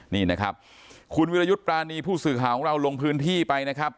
นี่นะครับคุณวิรยุทธ์ปรานีผู้สื่อข่าวของเราลงพื้นที่ไปนะครับ